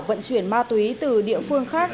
vận chuyển ma túy từ địa phương khác